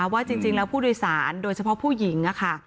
ว่าจริงแล้วผู้โดยสารโดยเฉพาะผู้หญิงค่ะ